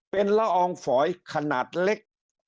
เป็นละอองฝอยขนาดเล็ก